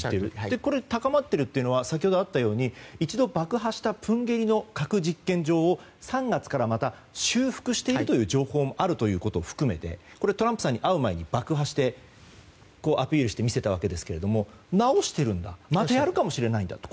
これ、高まっているのは先ほどあったように一度爆破したプンゲリの実験場を３月からまた修復している情報も含めトランプさんに会う前に爆破してアピールして見せたわけですけど直しているんだまたやるかもしれないんだと。